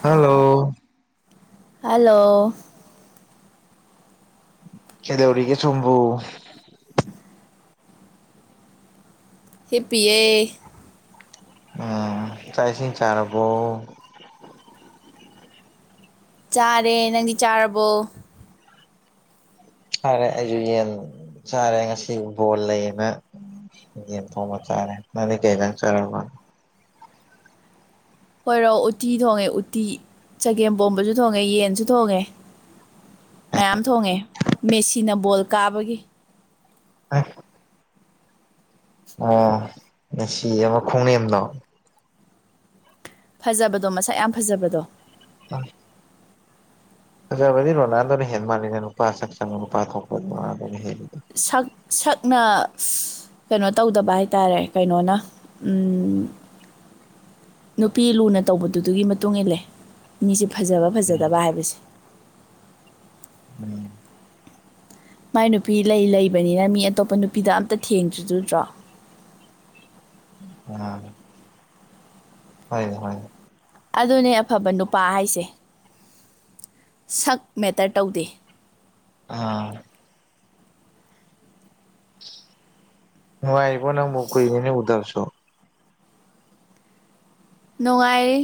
Hello. Hello ꯀꯩꯗꯧꯔꯤꯒꯦ ꯁꫭꯝꯕꯨ ꯍꯦꯞꯄꯤꯌꯦ ꯑꯥ ꯆꯥꯛ ꯏꯁꯤꯡ ꯆꯥꯔꯕꯣ꯫ ꯆꯥꯔꯦ ꯅꯪꯗꯤ ꯆꯥꯔꯕꯣ ꯆꯥꯔꯦ ꯑꯩꯁꯨ ꯌꯦꯟ ꯆꯔꯦ ꯉꯁꯤ ꯕꯣꯜ ꯂꯩꯌꯦꯅ꯫ ꯌꯦꯟ ꯊꯣꯡꯕ ꯆꯥꫪꯦ ꯅꯪꯗꯤ ꯀꯩ ꯏꯟꯖꯥꯡ ꯆꯔꯕ ꯈꫭꯎꯔꫭ ꯎꯇꯤ ꯊꯣꯡꯉꯦ ꯎꯠꯇꯤ ꯆꯒꯦꯝ ꯄꯣꯝꯕꯁꯨ ꯊꯣꯡꯉꯦ ꯌꯦꯟꯁꯨ ꯊꯣꯡꯉꯦ꯫ ꯃꯌꯥꯝ ꯊꯣꯡꯉꯦ ꯃꯦꯁꯤꯅ ꯕꯣꯜ ꯀꯥꯕꯒꯤ ꯑꯥ꯫ ꯑꯣ ꯃꯦꯁꯤ ꯑꯃ ꯈꯣꯡꯅꯦꯝꯗꯣ꯫ ꯐꯖꯕꯗꯣ ꯃꯁꯛ ꯌꯥꯝ ꯐꯖꯕꯗꯣ꯫ ꯑꯁ ꯐꯥꯖꯕꯗꯤ ꯔꯣꯅꯥꯜꯗꯣꯅ ꯍꯦꯟ ꯃꯥꯥꯟꯂꯦꯗ ꯅꯨꯄꯥ ꯁꯛ ꯆꯪꯕ ꯅꯨꯄꯥ ꯊꯣꯛꯄꯗꯤ ꯔꯣꯅꯥꯜꯅ ꯍꯦꯜꯂꯤꯗ꯫ ꯁꯛ ꯁꯛꯅ ꯀꯩꯅꯣ ꯇꯧꯗꯕ ꯍꯥꯏꯇꯥꯔꯦ ꯀꯩꯅꯣꯅ꯫ ꯎꯝ ꯅꯨꯄꯤ ꯂꯨꯅ ꯇꯧꯕꯗꯨꯗꯨꯒꯤ ꯃꯇꯨꯡ ꯏꯜꯂꯦ꯫ ꯃꯤꯁꯦ ꯐꯖꯕ ꯎꯝ ꯐꯖꯗꯕ ꯍꯥꯏꯕꯁꯦ ꯎꯝ ꯃꯥꯏ ꯅꯨꯄꯤ ꯂꯩ ꯂꯩꯕꯅꯤꯅ ꯃꯤ ꯑꯇꯣꯞꯄ ꯅꯨꯄꯤꯗ ꯑꯝꯇ ꯊꯦꯡꯗ꯭ꯔꯤꯗꫭ ꯎꯗꯔꫭ ꯑ ꯍꫭꯏꯅꯦ ꯍꫭꯏꯅꯦ ꯑꯗꯨꯅꯦ ꯑꯐꯕ ꯅꯨꯄꯥ ꯍꯥꯏꯁꯦ꯫ ꯁꯛ ꯃꯦꯇꯔ ꯇꯧꯗꯦ꯫ ꯑꯥ꯫ ꯅꯨꯡꯉꯥꯏꯔꯤꯕꯣ ꯅꯪꯕꯣ ꯀꯨꯏꯔꯦꯅꯦ ꯎꯗꯕꯁꯨ ꯅꯨꯡꯉꯥꯏꯔꯤ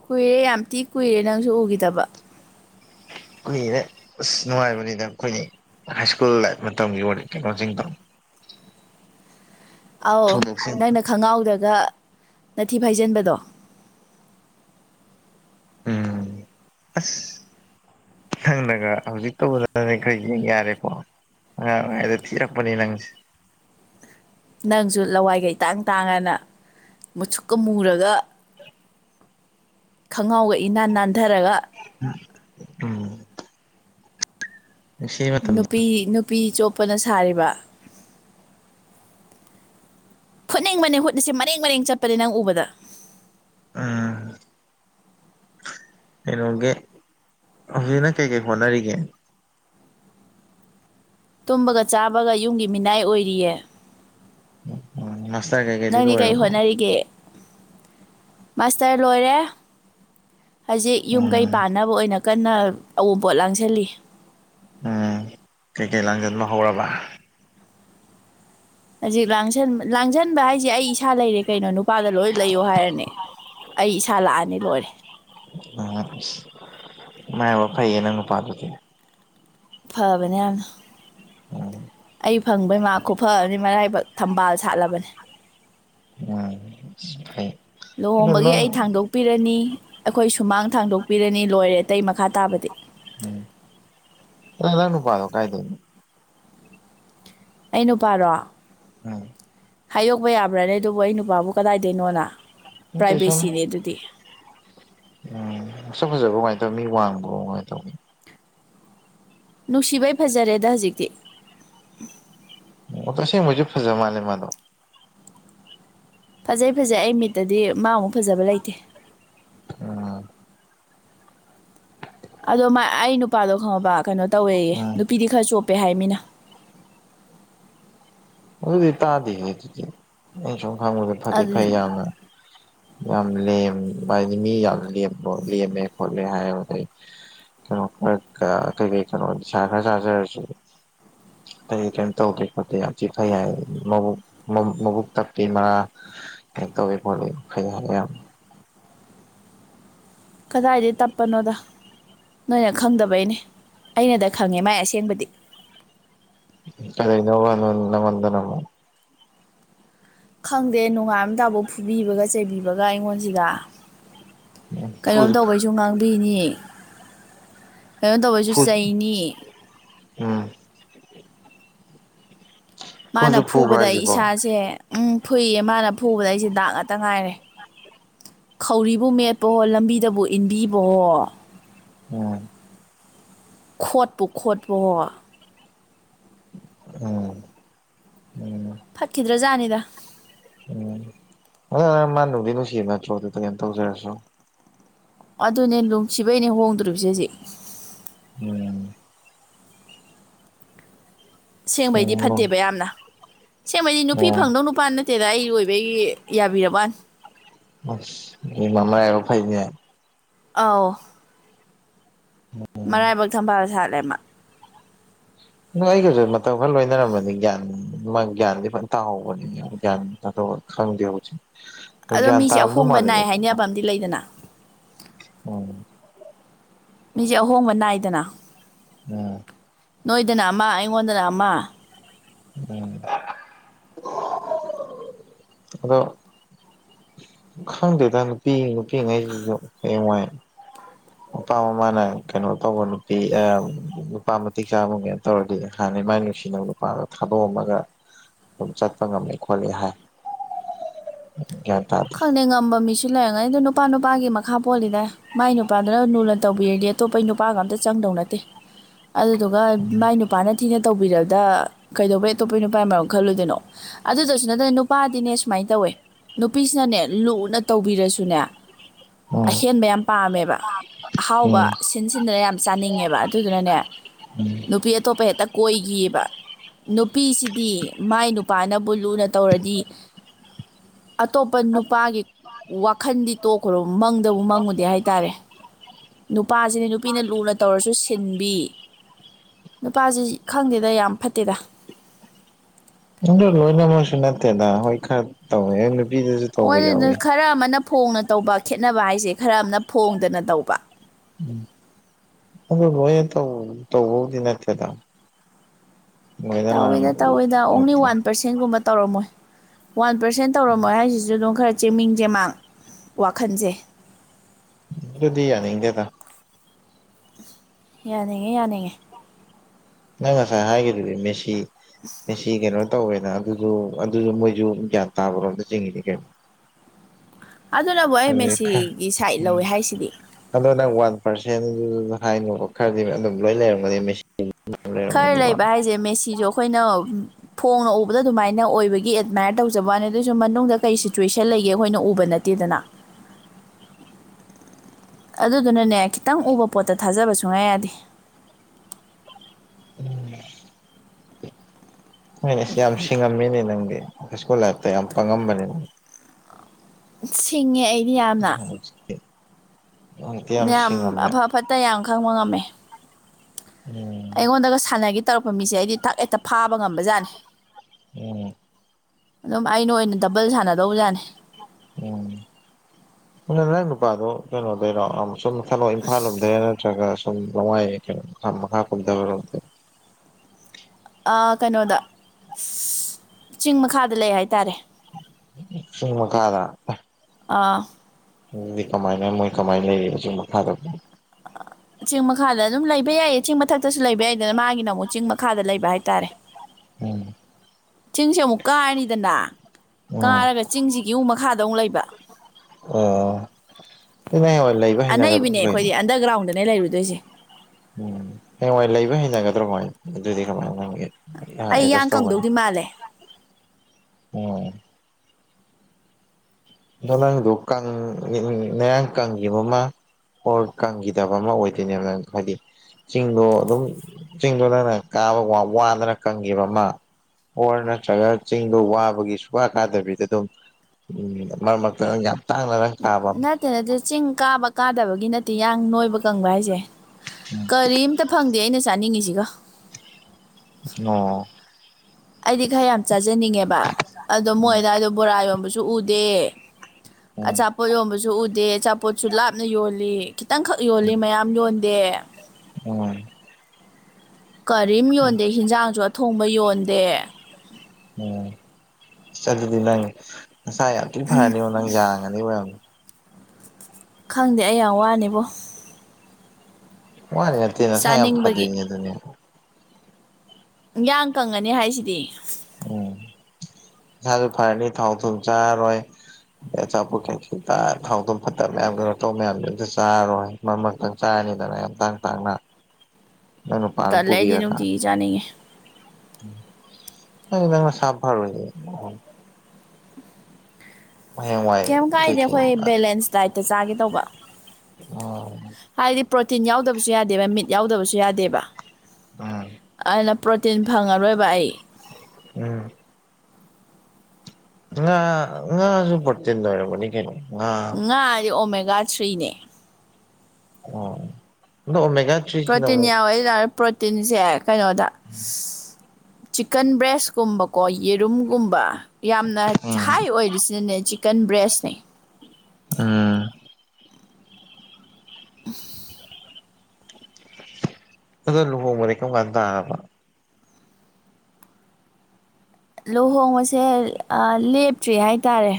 ꯀꯨꯏꯔꯦ ꯌꯥꯝ ꯊꯤ ꯀꯨꯏꯔꯦ ꯅꯪꯁꯨ ꯎꯒꯤꯗꯕ꯫ ꯀꯨꯏꯔꯦ ꯑꯁ ꯅꯨꯡꯉꯥꯏꯕꯅꯤꯅ ꯑꯩꯈꯣꯏꯅꯤ ꯍꯥꯏ ꯁ꯭ꯀꯨꯜ ꯂꯥꯏꯐ ꯃꯇꯝꯒꯤ ꯋꯥꯔꯤ ꯀꯩꯅꫭꯖꯤꯡꯗꫭ꯫ ꯑꯧ ꯊꯧꯗꯣꯛꯁꯤꯡ ꯅꯪꯅ ꯈꯪꯉꯥꯎꯗꯒ ꯅꯊꯤ ꯐꯥꯏꯖꯟꯕꯗꯣ꯫ ꯎꯝ ꯑꯁ ꯅꯪꯅꯒ ꯍꯧꯖꯤꯛ ꯇꯧꯕꯗꯅꯅꯦ ꯈꯔ ꯌꯦꯡ ꯌꯥꯔꯦꯀꯣ ꯑꯉꯥꯜ ꯑꫭꯏꯔꯤꯉꯩ ꯊꯤꯔꯛꯄꯅꯦ ꯅꯪꯁꯦ ꯅꯪꯖꯨ ꯂꯋꯥꯏꯒ‌ ꯏꯇꯥꯡ ꯇꯥꯡꯉꯅ ꯃꯨꯁꯨꯛꯀ ꯃꯨꯔꯒ [unintelligible] ꯈꯣꯡꯉꯥꯎꯒ ꯏꯅꯥꯟ ꯅꯥꯟꯊꯔꯒ꯫ ꯑꯣ꯫ [inaudible] ꯅꯨꯡꯁꯤ ꯃꯇꯝꯗꯣ ꯅꯨꯄꯤ ꯅꯨꯄꯤ ꯆꯣꯞꯄꯅ ꯁꯥꯔꯤꯕ ꯐꯨꯅꯤꯡꯕꯅꯦ ꯈꯨꯠꯁꯦ ꯃꯔꯦꯡ ꯃꯔꯦꯡ ꯆꯠꯄꯅꯦ ꯅꯪ ꯎꯕꯗ꯫ ꯎꯝ ꯀꯩꯅꯣꯒꯤ ꯍꯧꯖꯤꯛꯅ ꯀꯩꯀꯩ ꯍꯣꯠꯅꯔꯤꯒꯦ꯫ ꯇꯨꯝꯕꯒ ꯆꯥꯕꯒ ꯌꯨꯝꯒꯤ ꯃꯤꯅꯥꯏ ꯑꯣꯏꯔꯤꯌꯦ ꯎꯝ ꯃꯥꯁꯇꯔ ꯀꯩꯀꯩꯗꯤ ꯅꯪꯗꯤ ꯀꯩ ꯂꯣꯏꯔꯕꯣ ꯍꯣꯠꯅꯔꯤꯒꯦ꯫ ꯃꯥꯁꯇꯔ ꯂꯣꯏꯔꯦ꯫ ꯍꯧꯖꯤꯛ ꯌꯨꯝ ꯀꯩ ꯎꯝ ꯄꯥꯟꯅꯕ ꯑꯣꯏꯅ ꯀꯟꯅ ꯑꯋꯣꯟꯄꯣꯠ ꯂꯥꯡꯁꯤꯜꯂꯤ ꯎꯝ ꯀꯩꯀꯩ ꯂꯥꯡꯖꯤꯟꯕ ꯍꯧꯔꯕ꯫ ꯍꯧꯖꯤꯛ ꯂꯥꯡꯟ ꯂꯥꯡꯁꯟꯕ ꯍꯥꯏꯁꯦ ꯑꯩ ꯏꯁꯥ ꯂꯩꯔꯦ ꯀꯩꯅꯣ ꯅꯨꯄꯥꯗ ꯂꯣꯏ ꯂꯩꯌꯣ ꯍꯥꯏꯔꯅꯦ꯫ ꯑꯩ ꯏꯁꯥ ꯂꯥꯛꯑꯅꯤ ꯂꯣꯏꯔꯦ ꯢꯁ ꯃꯔꯥꯏꯕꯛ ꯐꯩꯍꯦ ꯅꯪ ꯅꯨꯄꯥꯗꯨꯗꯤ ꯐꯕꯅꯦ ꯌꯥꯝꯅ ꯎꯝ ꯑꯩ ꯐꯪꯕꯩ ꯃꯥ ꯈꯨꯐꯗꯤ ꯃꯔꯥꯏꯕꯛ ꯊꯝꯕꯥꯜ ꯁꯥꯠꯂꯕꯅꯦ ꯑꯝ ꯂꯨꯍꯣꯡꯕꯒꯤ ꯅꯪ ꯑꯩ ꯊꯥꯡꯗꯣꯛ ꯄꯤꯔꯅꯤ ꯑꯈꯣꯏ ꯁꯨꯃꯥꯡ ꯊꯥꯡꯗꯣꯛꯄꯤꯔꯅꯤ ꯂꯣꯏꯔꯦ ꯑꯇꯩ ꯃꯈꯥ ꯇꯥꯕꯗꯤ꯫ ꯎꯝ ꯅꯪ ꯅꯨꯄꯥꯗꯣ ꯀꯥꯏꯗꯩꯅꫭ꯫ ꯑꯩ ꯅꯨꯄꯥꯔꯣ꯫ ꯎꯝ ꯍꯥꯏꯗꯣꯛꯄ ꯌꯥꯕ꯭ꯔꯥꯅꯦ ꯑꯗꯨꯕꯨ ꯑꯩ ꯅꯨꯄꯥꯕꯨ ꯀꯗꯥꯏꯗꯩꯅꯣꯅ ꯅꯠꯇꯦ ꯁꯨꯝ ꯄ꯭ꯔꯥꯏꯚꯦꯁꯤꯅꯦ ꯑꯗꯨꯗꯤ ꯎꯝ ꯃꯁ ꯐꯖꯕ꯭ꯔꫭ ꯀꯃꯥꯏꯟ ꯇꯧꯏ ꯃꯤ ꯋꯥꯡꯕꯔꯣ ꯀꯃꯥꯏ ꯇꯧꯒꯦ ꯅꯨꯡꯁꯤꯕꯩ ꯐꯖꯔꯦꯗ ꯍꯧꯖꯤꯛꯇꯤ ꯑꯣ ꯁꯦꯡꯕꯁꯨ ꯐꯖ ꯃꯥꯜꯂꯦ ꯃꯥꯗꯣ ꯐꯖꯩ ꯐꯖꯩ ꯑꯩ ꯃꯤꯠꯇꯗꯤ ꯃꯥ ꯃꯨꯛ ꯐꯖꯕ ꯂꯩꯇꯦ ꯎꯝ ꯑꯗꯣ ꯃꯥꯏ ꯑꯩ ꯅꯨꯄꯥꯗꯣ ꯈꯪꯉꯕ ꯀꯩꯅꯣ ꯇꯧꯋꯦꯌꯦ ꯎꯝ ꯅꯨꯄꯤꯗꯤ ꯈꯔ ꯆꯣꯞꯄꯦ ꯍꯥꯏ ꯃꯤꯅ꯫ ꯑꯗꯨꯗꯤ ꯇꯥꯗꯦ ꯍ‌ꯦ ꯑꯗꯨꯗꯤ ꯑꯩꯅ ꯁꯨꯝ ꯈꯪꯕꯗꯤ ꯐꯗꯤ ꯐꯩ ꯑꯗꯨ ꯌꯥꯝꯅ꯫ ꯌꯥꯝ ꯂ‌ꯦꯝꯕ ꯃꯤ ꯌꯥꯝ ꯂ‌ꯦꯝꯃ‌ꯦ ꯈꯣꯠꯂꯦ ꯍꯥꯏꯌ‌ꯦ ꯇꯥꯢ꯫ ꯀꯩꯅꯣ ꯈꯔ ꯀꯩꯀꯩ ꯀꯩꯅꯣ ꯅꯤꯁꯥꯥ ꯈꯔ ꯆꯥꯖꯔꯁꯨ꯫ ꯀꯩꯝ ꯇꯧꯗꯦ ꯈꫭꯠꯇ‌ꯦ ꯌꯥꯝꯊꯤꯅ ꯐꯩꯌ‌ꯦ ꯍꯥꯏ ꯃꯕꯨ꯫ ꯃꯕꯨ ꯃꯕꯨꯛ ꯇꯞꯄꯤ ꯃꯥ ꯀꯩꯅ ꯇꯧꯋꯤ ꯈꯣꯠꯂꯤ ꯐꯩ ꯍꯥꯏ ꯌꯥꯝ ꯀꯗꯥꯏꯗꯩ ꯇꯞꯄꯅꯣꯗ ꯅꯣꯏꯅ ꯈꯪꯗꯕꯩꯅꯦ ꯑꯩꯅꯗ ꯈꯪꯉꯦ ꯃꯥꯏ ꯑꯁꯦꯡꯕꯗꯤ ꯀꯩꯗꫭꯏꯅꫭꯕ ꯅꯪꯉꯣꯡꯗꯅ ꯑꯃꫭꯛ꯫ ꯈꯪꯗꯦ ꯅꯣꯉꯥꯟꯕꯗꯩ ꯅꯨꯃꯤꯠꯇꯥꯐꯥꯎ ꯐꯨꯕꯤꯕꯒ ꯆꯩꯕꯤꯕꯒ ꯑꯩꯉꯣꯟꯁꯤꯗ ꯀꯩꯅꯣꯝ ꯐꯨꯁꯨ ꯇꯧꯕꯩꯁꯨ ꯉꯥꯡꯕꯤꯅꯤ ꯀꯩꯅꯣꯝ ꯇꯧꯕꯩꯁꯨ꯫ ꯐꯨ ꯆꯩꯅꯤ ꯎꯝ꯫ ꯃꯥꯅ ꯐꯨꯁꯨ ꯐꯨꯕ꯭ꯔꯥ ꯐꯨꯕꯗ ꯑꯩ ꯍꯥꯏꯁꯤꯕꯣ ꯏꯁꯥꯁꯦ ꯎꯝ ꯐꯨꯏꯌꯦ ꯃꯥꯅ ꯐꯨꯕꯗ ꯑꯩꯁꯦ ꯗꯥꯛ ꯉꯥꯛꯇ ꯉꯥꯏꯔꯦ ꯈꯧꯔꯤꯕꯨ ꯃꯦꯠꯄꯍꯣ ꯂꯝꯕꯤꯗꯕꯨ ꯏꯟꯕꯤꯕꯍꯣ ꯎꯝ꯫ ꯈꯣꯠꯄꯨ ꯈꯣꯠꯄ ꯑꫭ꯫ ꯎꯝ ꯎꯝ꯫ ꯐꯠꯈꯤꯗ꯭ꯔꯥꯖꯥꯠꯅꯤꯗ ꯎꯝ ꯑꯗꯣ ꯃꯥ ꯅꯨꯡꯗꯤ ꯅꯨꯡꯁꯤꯕ ꯅꯠꯇ꯭ꯔꯣ ꯑꯗꯨ ꯀꯩꯅꯣꯝ ꯇꯧꯖꯔꯁꯨ꯫ ꯑꯗꯨꯅꯦ ꯅꯨꯡꯁꯤꯕꯩꯅꯦ ꯍꯣꯡꯗꯣꯔꯤꯕꯁꯦ ꯍꯧꯖꯤꯛ꯫ ꯎꯝ꯫ ꯁꯦꯡꯕꯩꯗꯤ ꯑꯣ ꯐꯠꯇꯦꯕ ꯌꯥꯝꯅ ꯁꯦꯡꯕꯩꯗꯤ ꯅꯨꯄꯤ ꯑꯣ ꯐꯪꯗꯧ ꯅꯨꯄꯥ ꯅꯠꯇꯦꯗ ꯑꯩ ꯑꫭꯏꯕꯒꯤ ꯌꯥꯕꯤꯔꯕꯩ ꯋꯥꯅꯤ꯫ ꯑꯁ ꯃꯥ ꯃꯔꯥꯏꯕꯛ ꯐꯩꯅꯦ ꯑꯥꯎ [unintelligible] ꯃꯔꯥꯏꯕꯛ ꯊꯝꯕꯥꯜ ꯁꯥꯠꯂꯦ ꯃꯥ ꯅꫭꯏ ꯑꯩꯒꯁꯨ ꯃꯇꯝ ꯈꯔ ꯂꯣꯏꯅꯔꯝꯃꯅꯤ ꯒ꯭ꯌꯥꯟ ꯒ꯭ꯌꯥꯟꯗꯤ ꯐꯖꯅ ꯇꯥꯍꯧꯕꯅꯤ ꯒ꯭ꯌꯥꯟ [unintelligible] ꯑꯗꫭ꯫ ꯈꯪꯗꯦ ꯍꯧꯖꯤꯛ ꯑꯗꯣ ꯒ꯭ꯌꯥꯟ ꯃꯤꯁꯦ ꯇꯥꯔꯝꯗꯧ ꯑꯍꯣꯡꯕ ꯅꯥꯏ ꯃꯥꯜꯂꯦꯗ ꯑꯩꯁꯨ ꯍꯥꯏꯅꯕ ꯑꯝꯗꯤ ꯂꯩꯗꯅ꯫ ꯎꯝ ꯃꯤꯁꯦ ꯑꯍꯣꯡꯕ ꯅꯥꯏꯗꯅ꯫ ꯎꯝ꯫ ꯅꯣꯏꯗꯅ ꯑꯃ ꯑꯩꯉꯣꯟꯗꯅ ꯑꯃ꯫ ꯎꯝ [unintelligible] ꯑꯗꯣ ꯈꯪꯗꯦꯗ ꯅꯨꯄꯤ ꯄꯤ ꯉꯩꯁꯤꯖꯨ ꯍꯌꯦꯡꯋꯥꯏ ꯃꯄꯥ ꯃꯃꯥꯅ ꯀꯩꯅꯣ ꯇꯧꯕ ꯅꯨꯄꯤ ꯑ ꯅꯨꯄꯥ ꯃꯇꯤꯛ ꯆꯥꯕꯒꯦ ꯇꯧꯔꯗꯤ ꯍꯥꯟꯅ ꯃꯥꯏ ꯅꯨꯡꯁꯤꯅꯕ ꯅꯨꯄꯥꯗꫭ ꯊꯥꯗꯣꯛꯑꯝꯃꯒ ꯑꯗꯨꯝ ꯆꯠꯄ ꯉꯝꯃꯦ ꯈꯣꯠꯂꯤ ꯍꯥꯏ ꯒ꯭ꯌꯥꯟ ꯇꯥꯗꯦ ꯈꯪꯗꯦ ꯉꯝꯕ ꯃꯤꯁꯨ ꯂꯩꯔꯝꯒꯅꯤ ꯑꯗꯨ ꯅꯨꯄꯥ ꯅꯨꯄꯥꯒꯤ ꯃꯈꯥ ꯄꯣꯜꯂꯤꯗ꯫ ꯃꯥꯏ ꯅꯨꯄꯥꯗꯨꯅ ꯂꯨꯅ ꯇꯧꯕꯤꯔꯗꯤ ꯑꯇꯣꯞꯄꯩ ꯅꯨꯄꯥꯒ ꯑꯝꯇ ꯆꯪꯗꯧ ꯅꯠꯇꯦ ꯑꯗꯨꯗꯨꯒ ꯃꯥꯏ ꯅꯨꯄꯥꯅ ꯊꯤꯅ ꯇꯧꯕꯤꯔꯕꯗ ꯀꯩꯗꯧꯕꯩ ꯑꯇꯣꯞꯄꯩ ꯅꯨꯄꯥ ꯃꯔꯝ ꯈꯜꯂꯣꯏꯗꯣꯏꯅꯣ ꯑꯗꯨꯗꯁꯨ ꯅꯠꯇꯅ ꯅꯨꯄꯥꯗꯤꯅꯦ ꯁꯨꯃꯥꯏꯟ ꯇꯧꯋꯦ꯫ ꯅꯨꯄꯤꯁꯤꯅꯅꯦ ꯂꯨꯅ ꯇꯧꯕꯤꯔꯁꯨꯅꯦ ꯎꯝ ꯑꯍꯦꯟꯕ ꯌꯥꯝ ꯄꯥꯝꯃꯦꯕ ꯑꯍꯥꯎꯕ ꯎꯝ ꯁꯤꯟ ꯁꯤꯟꯗꯅ ꯌꯥꯝ ꯆꯥꯅꯤꯡꯉꯦꯕ ꯑꯗꯨꯗꯨꯅꯅꯦ ꯎꯝ ꯅꯨꯄꯤ ꯑꯇꯣꯞꯄ ꯍꯦꯛꯇ ꯀꯣꯏꯒꯤꯕ ꯅꯨꯄꯤꯁꯤꯗꯤ ꯃꯥꯏ ꯅꯨꯄꯥꯅꯕꯨ ꯂꯨꯅ ꯇꯧꯔꯗꯤ ꯑꯇꯣꯞꯄ ꯅꯨꯄꯥꯒꯤ ꯋꯥꯈꯟꯗꯤ ꯇꯣꯛꯈ꯭ꯔꯣ ꯃꯪꯗꯕꯨ ꯃꯪꯉꯨꯗꯦ ꯍꯥꯏꯇꯥꯔꯦ ꯅꯨꯄꯥꯁꯤꯅꯦ ꯅꯨꯄꯤꯅ ꯂꯨꯅ ꯇꯧꯔꯁꯨ ꯁꯤꯟꯕꯤ ꯅꯨꯄꯥꯁꯤ ꯈꯪꯗꯦꯗ ꯌꯥꯝ ꯐꯠꯇꯦꯗ꯫ [unintelligible] ꯂꯣꯏꯅꯃꯛꯁꯨ ꯅꯠꯇꯦꯗ ꯍꯣꯏ ꯈꯔ ꯇꯧꯋꯦ ꯅꯨꯞ [unintelligible] ꯑꯗꯨ ꯈꯔ ꯑꯃꯅ ꯐꯣꯡꯅ ꯇꯧꯕ ꯈꯦꯠꯅꯕ ꯍꯥꯏꯁꯦ ꯈꯔ ꯑꯃꯅ ꯐꯣꯡꯗꯅ ꯇꯧꯕ ꯑꯗꯨꯕꯨ ꯑꯩꯅ ꯇꯧ ꯇꯧꯕꯕꯨꯗꯤ ꯅꯠꯇꯦꯗ ꯂꯣꯏꯅ ꯇꯧꯋꯦꯗ ꯂꯥꯟꯅ ꯎ ꯇꯧꯋꯦꯗ ꯑꯣꯡꯂꯤ ꯄꯣꯠꯇꯣ ꯋꯥꯟ ꯄꯔꯁ ꯒꯨꯝꯕ ꯇꯧꯔꯝꯃꯣꯏ ꯋꯥꯟ ꯄꯔꯁꯦꯟ ꯇꯧꯔꯝꯃꯣꯏ ꯍꯥꯏꯁꯤꯁꯨ ꯑꯗꯨꯝ ꯈꯔ ꯆꯦꯃꯤꯡ ꯆꯦꯃꯥꯡ ꯋꯥꯈꯟꯁꯦ ꯑꯗꯨꯗꯤ ꯌꯥꯅꯤꯡꯗꯦꯗ ꯌꯥꯅꯤꯡꯉꯦ ꯌꯥꯅꯤꯡꯉꯦ ꯅꯪ ꯉꯁꯥꯏ ꯍꯥꯏꯒꯗꯨꯗꯤ ꯃꯦꯁꯤ ꯃꯦꯁꯤ ꯀꯩꯅꯣ ꯇꯧꯋꯦꯅ ꯑꯗꯨꯁꯨ ꯑꯗꯨꯁꯨ ꯃꯣꯏꯁꯨ ꯒ꯭ꯌꯥꯟ ꯇꯥꯕꯔꯣꯝꯗ ꯆꯤꯡꯉꯤꯅꯦ ꯀꯩꯅꯣ ꯑꯗꯨꯅꯕꯨ ꯑꯩ ꯑꯗꯨꯗꯤ ꯈꯔ ꯃꯦꯁꯤꯒꯤ ꯁꯥꯏꯠ ꯎꯝ ꯂꯧꯋꯦ ꯍꯥꯏꯁꯤꯗꯤ ꯑꯗꯣ ꯅꯪ ꯋꯥꯟ ꯄꯥꯔꯁꯦꯟꯗꯨ ꯍꯥꯏꯅꯣꯕ ꯈꯔꯗꯤ ꯑꯗꯨꯝ ꯂꯣꯏ ꯂꯩꯔꯝꯒꯅꯤ ꯃꯦꯁ ꯈꯔ ꯂꯩꯕ ꯍꯥꯏꯁꯦ ꯃꯦꯁꯤꯁꯨ ꯑꯩꯈꯣꯏꯅ ꯐꯣꯡꯅ ꯎꯕꯗ ꯑꯗꯨꯃꯥꯏꯅ ꯑꯣꯏꯕꯒꯤ ꯑꯦꯗꯃꯥꯏꯌꯔ ꯇꯧꯖꯕ ꯋꯥꯅꯤ ꯑꯗꯨꯏꯁꯨ ꯃꯅꯨꯡꯗ ꯀꯔꯤ ꯁꯤꯆꯨꯋꯦꯁꯟ ꯂꯩꯒꯦ ꯑꯩꯈꯣꯏꯅ ꯎꯕ ꯅꯠ ꯇꯦꯗꯅ꯫ ꯑꯗꯨꯗꯨꯅꯅꯦ ꯈꯤꯇꯪ ꯎꯕ ꯄꯣꯠꯇ ꯊꯥꯖꯕ ꯁꯨꯡꯌꯥ ꯌꯥꯗꯦ ꯎꯝ [unintelligible] ꯍꯣꯏꯅꯦ ꯑ ꯁꯌꯥꯝ ꯁꯤꯡꯉꯝꯃꯤꯅꯦ ꯅꯪꯗꯤ ꯍꯥꯏꯁ ꯁ꯭ꯀꯨꯜ ꯂꯥꯏꯐꯇ ꯌꯥꯝ ꯄꯪꯉꯝꯕꯅ‌ꯦ ꯅꯪ꯫ ꯁꯤꯡꯉꯦ ꯑꯩꯗꯤ ꯌꯥꯝꯅ ꯦ [unintelligible] ꯌꯥꯝ ꯑꯐ ꯐꯠꯇ ꯌꯥꯝ ꯈꯪꯕ ꯉꯝꯃꯦ ꯎꯝ ꯑꯩꯉꯣꯟꯗꯒ ꯁꯥꯟꯅꯒ‌ꯦ꯫ ꯇꯧꯔꯛꯄ ꯃꯤꯁꯦ ꯑꯩꯗꯤ ꯊꯛ ꯍꯦꯛꯇ ꯐꯥꯕ ꯉꯝꯕꯖꯥꯠꯅꯤ ꯎꯝ ꯑꯗꯨꯝ ꯑꯩꯅ ꯑꯣꯏꯅ ꯗꯕꯜ ꯁꯥꯟꯅꯗꯧꯕꯖꯥꯠꯅꯤ꯫ ꯎꯝ ꯃ ꯅ ꯅꯨꯨꯄꯥꯥꯗ ꯀꯩꯅꯩꯅꯣꯗꯣꯏꯔ ꯁꯨꯝ ꯃꯊꯛꯂꯣ ꯏꯝꯐꯥꯜ ꯂꯣꯝꯗꯩꯔ ꯅꯠꯇ꯭ꯔꯒ ꯁꯨꯝ ꯂꯋꯥꯏ ꯀꯩꯅꯣ ꯃꯈꯥ ꯃꯈꯥ ꯀꯨꯝꯊꯕꯔꯣꯝꯗꯩꯔꯣ ꯑꯥ ꯀꯩꯅꯣꯗ ꯆꯤꯡ ꯃꯈꯥꯗ ꯂꯩ ꯍꯥꯏꯇꯥꯔꯦ ꯆꯨꯡ ꯃꯈꯥꯗ ꯑꯦ ꯑꯥ ꯑꯗꯨꯗꯤ ꯀꯃꯥꯏꯅ ꯃꯣꯏ ꯀꯃꯥꯏꯅ ꯂꯩꯔꯤ ꯍꯨꯖꯤꯛ ꯃꯈ ꯐꯥꯗꯕꯣ꯫ ꯆꯤꯡ ꯃꯈꯥꯗ ꯑꯗꯨꯝ ꯂꯩꯕ ꯌꯥꯏꯌꯦ ꯆꯤꯡ ꯃꯊꯛꯇꯁꯨ ꯂꯩꯕ ꯌꯥꯏꯗꯅ ꯃꯥꯒꯤꯅ ꯑꯃꫭꯛ ꯆꯤꯡ ꯃꯈꯥꯗ ꯂꯩꯕ ꯍꯥꯏꯇꯥꯔꯦ꯫ ꯎꯝ꯫ ꯆꯤꯡꯁꯤ ꯑꯃꯨꯛ ꯀꯥꯏꯔꯤꯗꯅ ꯑꯣ ꯑꯣ ꯀꯥꯏꯔꯒ ꯆꯤꯡꯁꯤꯒꯤ ꯑꯃꯨꯛ ꯃꯈꯥꯗ ꯑꯃꯨꯛ ꯂꯩꯕ꯫ ꯑꯣ ꯏ ꯍ ꯂꯩ ꯑꯅꯩꯕꯅꯦ ꯑꯩꯈꯣꯏꯗꯤ ꯑꯟꯗꯔꯒ꯭ꯔꯥꯎꯟꯗꯅꯦ ꯂꯩꯔꯨꯗꯣꯏꯁꯦ ꯎꯝ ꯍꯌꯦꯡꯋꯥꯏ ꯂꯩꯕ ꯍꯩꯅꯒꯗ꯭ꯔꯣ ꯑꯗꯨꯗꯤ ꯀꯃꯥꯏꯅ ꯈꯪꯒꯦ꯫ ꯑꯩ ꯑꯦꯗꯖꯁ ꯌꯥꯡ ꯇꯧꯧꯕꯅꯤ ꯀꯪꯗꯧꯗꯤ ꯃꯥꯜꯂꯦ ꯎꯝ ꯑꯗ ꯅꯪꯗꯣ ꯅꯌꯥꯝ ꯀꯪꯉꯦ ꯃꯃꯥ ꯑꯣꯔ ꯀꯪꯈꯤꯗꯕ ꯑꯃ ꯑꯣꯏꯗꯣꯏꯅꯦꯕ ꯍꯥꯏꯗꯤ ꯆꯤꯡꯗꯣ ꯑꯗꯨꯝ ꯆꯤꯡꯗꯣ ꯅꯪꯅ ꯀꯥꯕ ꯋꯥꯗꯅ ꯀꯪꯈꯤꯕ ꯑꯃ꯫ ꯑꯣꯔ ꯅꯠꯇ꯭ꯔꯒ ꯆꯤꯡꯗ ꯋꯥꯕꯒꯤ ꯁꯨꯀ ꯀꯥꯗꯕꯤꯗ ꯑꯗꯨꯝ ꯎꯝ ꯃꯔꯛ ꯃꯔꯛꯇ ꯅꯪ ꯌꯥꯝ ꯇꯥꯡꯅ ꯇꯥꯕ ꯀ ꯅꯠꯇ ꯆꯤꯡ ꯀꯥꯕ ꯀꯥꯗꯕꯒꯤ ꯅꯠꯇꯦ ꯌꯥꯡ ꯅꯣꯏꯕ ꯀꯪꯕ ꯍꯥꯏꯁꯦ ꯀꯔꯤꯝꯇ ꯐꯪꯗꯦ ꯑꯩꯅ ꯆꯥꯅꯤꯡꯉꯤꯁꯤꯒ ꯅꯣꯑꯣ꯫ ꯑꯩꯗꯤ ꯈꯔ ꯌꯥꯝ ꯆꯥꯖꯅꯤꯡꯉꯦꯕ ꯑꯗꯣ ꯃꯣꯏ ꯑꯗꯨꯋꯥꯏꯗꯣ ꯕꯣꯔꯥ ꯌꯣꯟꯕꯁꯨ ꯎꯗꯦ꯫ ꯎꯝ ꯑꯆꯥꯄꯣꯠ ꯌꯣꯟꯕꯁꯨ ꯎꯗꯦ ꯑꯆꯥꯄꯣꯠꯁꯨ ꯂꯥꯞꯅ ꯌꯣꯜꯂꯤ ꯈꯤꯇꯪꯈꯛ ꯌꯣꯜꯂꯤ ꯃꯌꯥꯝ ꯌꯣꯟ ꯗꯦ꯫ ꯎꯝ꯫ ꯀꯔꯤꯝ ꯌꯣꯟꯗꯦ ꯍꯤꯟꯖꯥꯡꯁꯨ ꯑꯊꯣꯡꯕ ꯌꯣꯟꯗꯦ ꯎꯝ ꯑꯁ ꯑꯗꯨꯗꯤ ꯅꯪ ꯅꯁꯥ ꯌꯥꯝ ꯊꯤꯅ ꯐꯔꯅꯤꯕꯣ ꯅꯪ ꯌꯥꯡꯉꯅꯤꯕꯣ ꯌꯥꯝꯅ꯫ ꯈꯪꯗꯦ ꯑꯩ ꯌꯥꯝ ꯋꯥꯅꯦꯕꯣ ꯋꯥꯅꯤ ꯅ ꯇ ꯅꯁꯥꯏ ꯌꯥꯝ ꯆꯥꯅꯤꯡꯕꯒꯤ ꯐꯥꯗꯅꯦ ꯑꯗꯨꯅ ꯌꯥꯡ ꯀꯪꯉꯅꯤ ꯍꯥꯏꯁꯤꯗꯤ ꯎꯝ ꯏꯁꯥꯁꯨ ꯐꯔꯅꯤ ꯊꯥꯎ ꯊꯨꯝ ꯆꯥꯔꯔꯣꯏ ꯑꯆꯥꯄꯣꯠ ꯀꯩ ꯀꯩ ꯇ ꯊꯥꯎꯗꯨ ꯐꯠꯇꯕ ꯃꯌꯥꯝꯗꯨ ꯀꯩꯅꯣ ꯇꯧꯕ ꯃꯌꯥꯝꯗꯨ ꯑꯃꯇ ꯆꯥꯔꯔꯣꯏ꯫ ꯃꯃꯛꯇ ꯆꯥꯔꯅꯤꯗꯅ ꯌꯥꯝ ꯇꯥꯡ ꯇꯥꯡꯅ ꯅꯪ ꯅꯨꯄꯥꯅ ꯇꯂ ꯂꯩꯗꯤꯅꯨ ꯀ ꯆꯥꯅꯤꯡꯌꯦ ꯑꯗꯨꯗꯤ ꯅꯪ ꯅꯥꯁꯥ ꯐꯔꯣꯏꯌꯦ꯫ ꯍꯌꯦꯡꯋꯥꯏ ꯀꯩꯝ ꯀꯥꯏꯗꯦ ꯀꯩꯀꯩ ꯑꯩꯈꯣꯏ ꯕꯦꯂꯦꯟꯁ ꯗꯥꯏꯠꯇ ꯆꯥꯒꯦ ꯇꯧꯕ ꯎꯝ ꯍꯥꯏꯗꯤ ꯄ꯭ꯔꯣꯇꯤꯟ ꯌꯥꯎꯗꯕꯁꯨ ꯌꯥꯗꯦꯕ ꯃꯤꯠ ꯌꯥꯎꯗꯕꯁꯨ ꯌꯥꯗꯦꯕ ꯎꯝ ꯑꯗꯨꯅ꯫ ꯄ꯭ꯔꯣꯇꯤꯟ ꯐꯪꯉꯔꯣꯏꯕ ꯑꯩ ꯎꯝ ꯑ ꯉꯁꯨꯄꯠꯇꯅꯣꯔ ꯃꯅꯤꯒꯦꯅꯤ ꯉꯥꯗꯤ ꯑꯣꯃꯦꯒꯥ ꯊ꯭ꯔꯤꯅꯦ ꯑꯣ ꯅ ꯑꯣ ꯃꯦꯒꯥ ꯄ꯭ꯔꯣꯇꯤꯟ ꯌꯥꯎꯋꯦ ꯑꯗꯨꯇꯥꯔꯁꯨ ꯄ꯭ꯔꯣꯇꯤꯟꯁꯦ ꯀꯩꯅꯣꯗ꯫ ꯆꯤꯛꯀꯟ ꯕ꯭ꯔꯦꯁꯀꯨꯝꯕꯀꯣ ꯌꯦꯔꯨꯝꯒꯨꯝꯕ꯫ ꯌꯥꯝꯅ ꯎꯝ ꯍꯥꯏ ꯑꯣꯏꯔꯤꯁꯤꯅꯅꯦ ꯆꯤꯛꯀꯟ ꯕ꯭ꯔꯦꯁꯅꯦ꯫ ꯎꯝ [unintelligible] ꯑꯗꯣ ꯂꯨꯍꯣꯡꯕꯗꯤ ꯀꯝ ꯀꯥꯟꯗ ꯇꯥꯔꯕ ꯂꯨꯍꯣꯡꯕꯁꯦ ꯑꯥ ꯂꯦꯞꯇ꯭ꯔꯤ ꯍꯥꯏꯇꯥꯔꯦ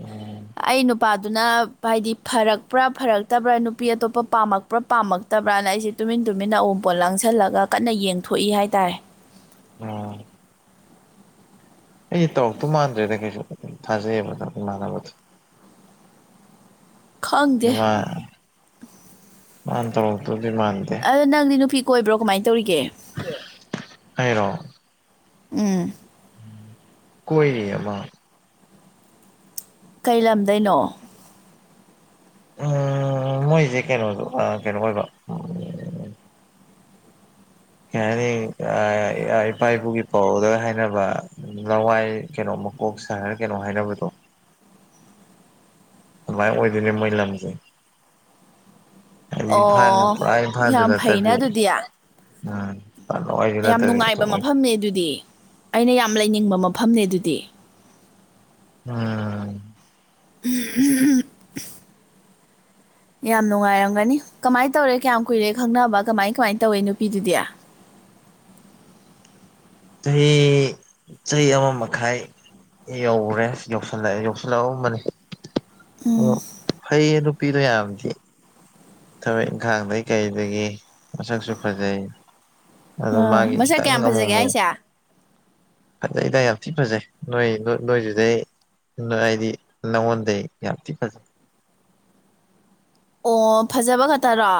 ꯎꯝ ꯑꯩ ꯅꯨꯄꯥꯗꯨꯅ ꯍꯥꯏꯗꯤ ꯐꯔꯛꯄ꯭ꯔꯥ ꯐꯔꯛꯇꯕ꯭ꯔꯥ ꯅꯨꯄꯤ ꯑꯇꯣꯞꯄ ꯄꯥꯝꯃꯛ ꯄꯔꯥ ꯄꯥꯝꯃꯛꯇꯕ꯭ꯔꯅ ꯑꯩꯁꯦ ꯇꯨꯃꯤꯟ ꯇꯨꯃꯤꯟꯅ ꯑꯎꯡꯄꯣꯠ ꯂꯥꯡꯁꯤꯜꯂꯒ ꯀꯟꯅ ꯌꯦꯡꯊꯣꯛꯏ ꯍꯥꯏꯇꯥꯔꯦ ꯎꯝ ꯑꯩꯁꯦ ꯇꯧꯔꯛꯇꯨ ꯃꯥꯟꯗ꯭ꯔꯦꯗ ꯀꯩꯁꯨ ꯊꯥꯖꯩꯑꯦꯕ ꯏꯃꯥꯟꯅꯕꯗꯣ ꯈꯪꯗꯦ [unintelligible] ꯃꯥꯟ ꯇꯧꯔꯛꯇꯧꯗꯤ ꯃꯥꯟꯗꯦ ꯑꯗꯣ ꯅꯪꯗꯤ ꯅꯨꯄꯤ ꯀꯣꯏꯕ꯭ꯔꯣ ꯀꯃꯥꯏꯟ ꯇꯧꯔꯤꯒꯦ ꯑꯩꯔꯣ ꯎꯝ ꯀꯣꯏꯔꯤ ꯑꯃꯥ ꯀꯩ ꯂꯝꯗꯩꯅꯣ ꯑꯥ ꯃꯣꯏꯖꯦ ꯀꯩꯅꯣꯗꯨ ꯑ ꯀꯩꯅꯣ ꯑꯣꯏꯕ ꯀꯩ ꯍꯥꯏꯅꯤ ꯑꯥ ꯏꯄꯥ ꯏꯄꯨꯒꯤ ꯄꯥꯎꯔꯧꯗꯒ ꯍꯥꯏꯅꯕ ꯂꯋꯥꯏ ꯀꯩꯅꯣ ꯃꯀꯣꯛ ꯁꯥꯍꯔ ꯀꯩꯅꯣ ꯍꯥꯏꯅꯕꯗꯣ ꯑꯗꯨꯃꯥꯏ ꯑꯣꯗꯣꯅꯦ ꯃꯣꯏ ꯂꯝꯁꯦ ꯏꯝꯐꯥꯟ ꯑꯣ ꯄꯨꯔꯥ ꯏꯝꯐꯥꯟꯖꯨ ꯌꯥꯝ ꯐꯩꯅ ꯅꯠꯇꯕꯤ ꯑꯗꯨꯗꯤ ꯑꯥ ꯌꯥꯝ ꯅꯨꯡꯉꯥꯏꯕ ꯃꯐꯝꯅꯦ ꯑꯗꯨꯗꯤ ꯑꯩꯅ ꯌꯥꯝ ꯂꯩꯅꯤꯡꯕ ꯃꯐꯝꯅꯦ ꯑꯗꯨꯗꯤ ꯑꯥ [unintelligible] ꯌꯥꯝ ꯅꯨꯡꯉꯥꯏꯔꯝꯒꯅꯤ ꯀꯃꯥꯏ ꯇꯧꯔꯦ ꯀꯌꯥꯝ ꯀꯨꯏꯔꯦ ꯈꯪꯅꯕ ꯀꯃꯥꯏ ꯀꯃꯥꯏ ꯇꯧꯋꯤ ꯅꯨꯄꯤꯗꯨꯗꯤ ꯆꯍꯤ ꯆꯍꯤ ꯑꯃ ꯃꯈꯥꯏ ꯌꯧꯔꯦ ꯌꯧꯁꯤꯜꯂꯛꯑꯦ ꯌꯧꯁꯤꯜꯂꯛꯑꯕꯒꯨꯕꯅꯦ ꯑꯣ ꯐꯩꯌꯦ ꯅꯨꯄꯤꯗꯣ ꯌꯥꯝ ꯊꯤ ꯊꯕꯛ ꯏꯪꯈꯥꯡꯗꯒꯤ ꯀꯩꯗꯒꯤ ꯃꯁꯛꯁꯨ ꯐꯖꯩ ꯑꯗꯣ ꯃꯥꯒꯤ ꯃꯁꯛ ꯀꯌꯥꯝ ꯈꯤꯇꯪ ꯑꯃꯨꯛ ꯐꯖꯒꯦ ꯑꯃꯨꯛ ꯍꯥꯏꯁꯦ ꯐꯖꯩꯗ ꯌꯥꯝ ꯊꯤꯟ ꯐꯖꯩ ꯅꯣꯏ ꯅꯣꯏꯗꯨꯗꯩ ꯍꯥꯏꯗꯤ ꯅꯉꯣꯟꯗꯩ ꯌꯥꯝ ꯊꯤ ꯐꯖꯩ ꯑꯣ ꯐꯖꯕ ꯈꯛꯇꯔꯣ